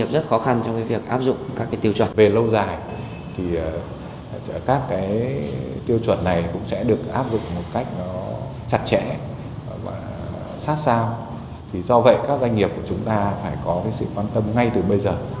do vậy các doanh nghiệp của chúng ta phải có sự quan tâm ngay từ bây giờ